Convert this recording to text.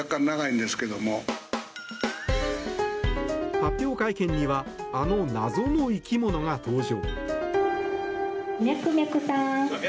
発表会見にはあの謎の生き物が登場。